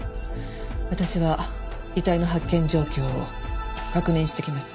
私は遺体の発見状況を確認してきます。